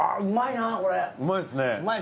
うまいですね！